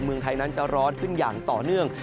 เมืองไทยนั้นจะร้อนขึ้นอย่างต่อเนื่อง